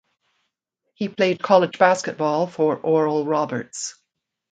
He played college basketball for Oral Roberts.